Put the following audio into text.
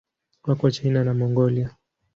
Wako China na Mongolia.